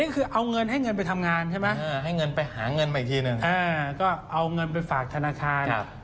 ก็เอาเงินไปฝากธนาคาร